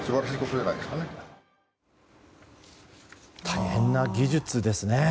大変な技術ですね。